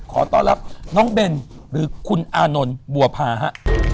ขอต้อนรับน้องเบนหรือคุณอานนท์บัวพาฮะ